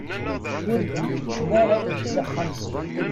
Ur d-ikeččem ara s axxam zik.